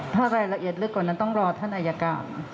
ถ้ารายละเอียดลึกกว่านั้นต้องรอท่านอายการ